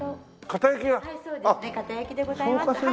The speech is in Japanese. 堅焼きでございます。